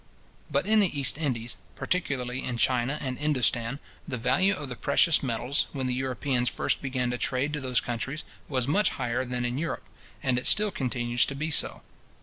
But in the East Indies, particularly in China and Indostan, the value of the precious metals, when the Europeans first began to trade to those countries, was much higher than in Europe; and it still continues to be so.